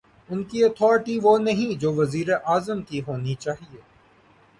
ان کی اتھارٹی وہ نہیں جو وزیر اعظم کی ہونی چاہیے۔